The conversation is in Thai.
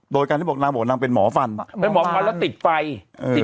โดยการที่บอกนางบอกว่านางเป็นหมอฟันเป็นหมอฟันแล้วติดไฟติด